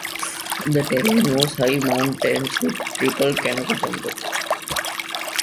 The terrain was high mountains with triple canopy jungle.